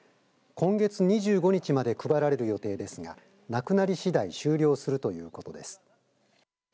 今月２５日まで配られる予定ですがなくなりしだい終了するということです。